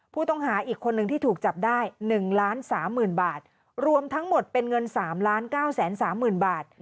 ผู้ต้องหาอีกคนนึงที่ถูกจับได้๑ล้าน๓หมื่นบาทรวมทั้งหมดเป็นเงิน๓ล้าน๙แสน๓หมื่นบาท